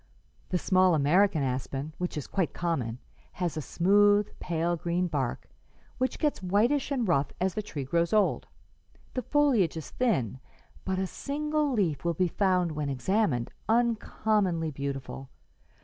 The small American aspen, which is quite common, has a smooth, pale green bark, which gets whitish and rough as the tree grows old. The foliage is thin, but a single leaf will be found, when examined, uncommonly beautiful.